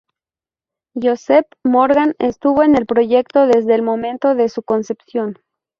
Joseph Morgan estuvo en el proyecto desde el momento de su concepción.